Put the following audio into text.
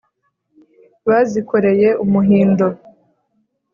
bazikoreye umuhindo.